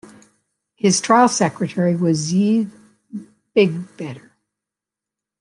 His trial secretary was Yves Beigbeder.